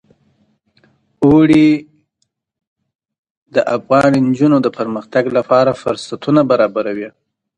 اوړي د افغان نجونو د پرمختګ لپاره فرصتونه برابروي.